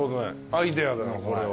アイデアだなこれは。